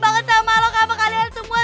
gua kangen banget sama lo sama kalian semua